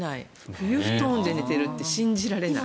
冬布団で寝ているって信じられない。